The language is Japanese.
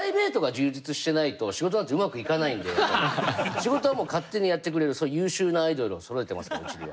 仕事はもう勝手にやってくれる優秀なアイドルをそろえてますからうちには。